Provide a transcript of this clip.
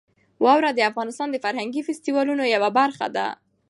واوره د افغانستان د فرهنګي فستیوالونو یوه برخه ده.